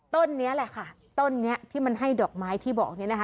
ต้นนี้แหละค่ะต้นนี้ที่มันให้ดอกไม้ที่บอกเนี่ยนะคะ